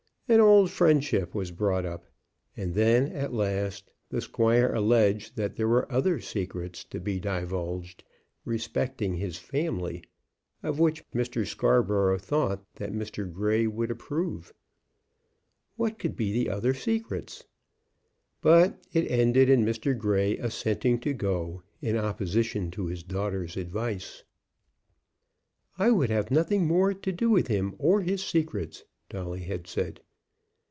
And old friendship was brought up. And, then, at last, the squire alleged that there were other secrets to be divulged respecting his family, of which Mr. Scarborough thought that Mr. Grey would approve. What could be the "other secrets?" But it ended in Mr. Grey assenting to go, in opposition to his daughter's advice. "I would have nothing more to do with him or his secrets," Dolly had said.